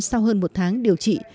sau hơn một tháng điều trị